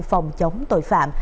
phòng chống tội phạm